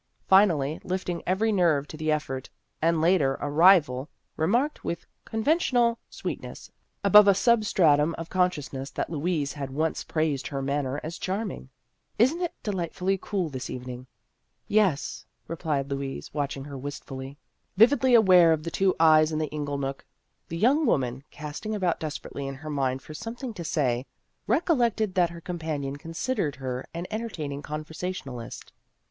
Finally, lifting every nerve to the effort, the later arrival remarked, with conven tional sweetness above a sub stratum of consciousness that Louise had once praised her manner as charming, " Is n't it delightfully cool this evening ?"" Yes," replied Louise, watching her wistfully. The Ghost of Her Senior Year 237 Vividly aware of the two eyes in the ingle nook, the young woman, casting about desperately in her mind for some thing to say, recollected that her com panion considered her an entertaining conversationalist.